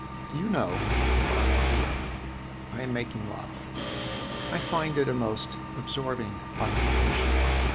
Do you know what I am doing? I am making love. I find it a most absorbing occupation.